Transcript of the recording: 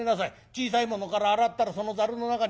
小さいものから洗ったらそのザルの中に伏せる。